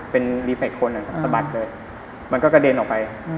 เป็นรีฟอีกคนสะบัดเลยมันก็กระเด็นออกไป